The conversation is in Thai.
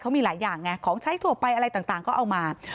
เขามีหลายอย่างไงของใช้ทั่วไปอะไรต่างก็เอามา